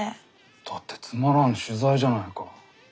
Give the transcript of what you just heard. だってつまらん取材じゃないか。